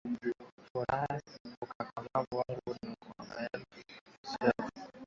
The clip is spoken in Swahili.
furaha ya umakamu wangu wa maalim shefu